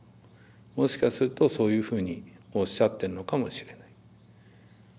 もしかするとそういうふうにおっしゃってるのかもしれない。